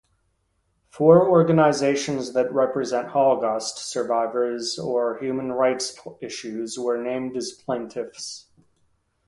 Four organizations that represent holocaust survivors or human rights issues were named as plaintiffs.